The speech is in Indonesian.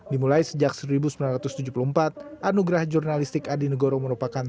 dimulai sejak seribu sembilan ratus tujuh puluh empat anugerah jurnalistik adi negoro merupakan